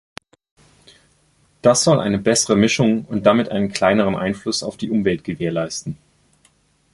Das soll eine bessere Mischung und damit einen kleineren Einfluss auf die Umwelt gewährleisten.